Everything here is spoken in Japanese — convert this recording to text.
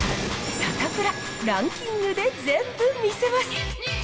サタプラ、ランキングで全部見せます。